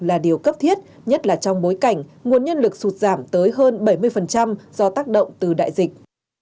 là điều cấp thiết nhất là trong bối cảnh nguồn nhân lực sụt giảm tới hơn bảy mươi do tác động từ đại dịch